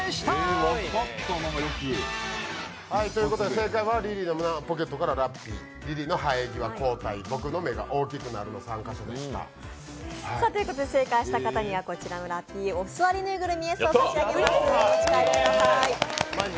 正解はリリーの胸ポケットからラッピーリリーの生え際が後退、僕の目が大きくなるの３カ所でした正解した方にはこちらのラッピーお座りぬいぐるみＳを差し上げます。